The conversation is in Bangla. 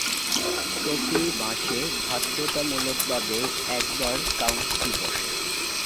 প্রতি মাসে বাধ্যতামূলকভাবে একবার কাউন্সিল বসে।